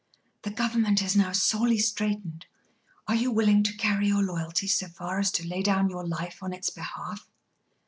The Government is now sorely straitened: are you willing to carry your loyalty so far as to lay down your life on its behalf?"